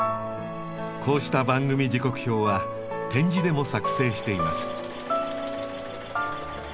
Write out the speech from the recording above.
こうした番組時刻表は点字でも作成しています。